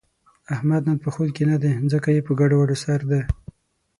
احمد نن په خود کې نه دی، ځکه یې په ګډوډو سر دی.